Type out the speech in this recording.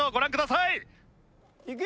いくよ！